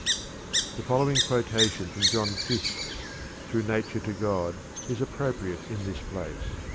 The following quotation from John Fiske's "Through Nature to God" is appropriate in this place.